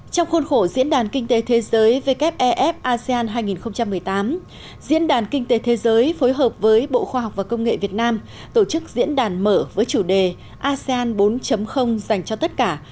trong khuôn khổ diễn đàn kinh tế thế giới wef asean hai nghìn một mươi tám diễn đàn kinh tế thế giới phối hợp với bộ khoa học và công nghệ việt nam tổ chức diễn đàn mở với chủ đề asean bốn dành cho tất cả